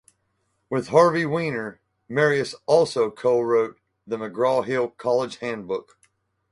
With Harvey Wiener, Marius also co-wrote the McGraw-Hill College Handbook.